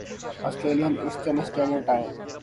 Australian Eastern Standard time